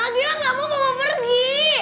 gilang ga mau ma mau pergi